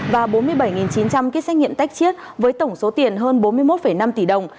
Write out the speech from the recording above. và bốn mươi bảy chín trăm linh kit xét nghiệm tách chiết với tổng số tiền hơn bốn mươi một năm tỷ đồng